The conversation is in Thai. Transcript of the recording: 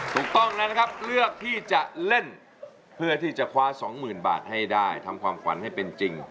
ถูกต้องแล้วนะครับเลือกที่จะเล่นเพื่อที่จะคว้าสองหมื่นบาทให้ได้ทำความฝันให้เป็นจริง